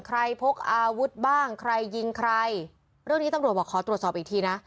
พกอาวุธบ้างใครยิงใครเรื่องนี้ตำรวจบอกขอตรวจสอบอีกทีนะ